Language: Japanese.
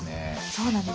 そうなんです。